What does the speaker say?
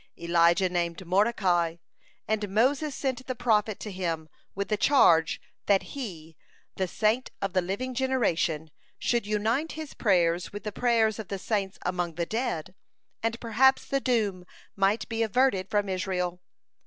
Elijah named Mordecai, and Moses sent the prophet to him, with the charge that he, the "saint of the living generation," should unite his prayers with the prayers of the saints among the dead, and perhaps the doom might be averted from Israel.